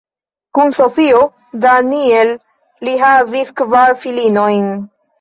Kun Sofio Daniel li havis kvar filinojn.